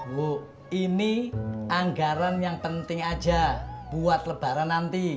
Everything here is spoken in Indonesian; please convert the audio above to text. bu ini anggaran yang penting aja buat lebaran nanti